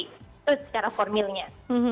itu secara formilnya